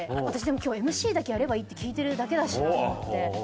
私でも今日ＭＣだけやればいいって聞いてるだけだしなと思って。